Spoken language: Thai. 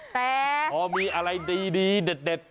แต่พอมีอะไรดีเด็ด